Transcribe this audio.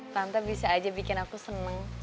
tante bisa aja bikin aku seneng